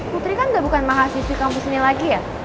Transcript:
putri kan gak bukan mahasiswi kampus ini lagi ya